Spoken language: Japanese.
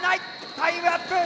タイムアップ。